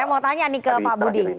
saya mau tanya nih ke pak budi